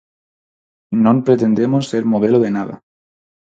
Non pretendemos ser modelo de nada.